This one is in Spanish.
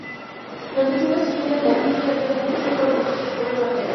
Durante el siglo siguiente, la efigie del monstruo fue reproducida en la propia bandera.